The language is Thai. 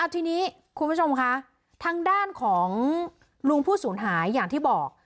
ทีนี้คุณผู้ชมคะทางด้านของลุงผู้สูญหายอย่างที่บอก